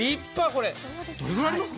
これ、どれぐらいあります？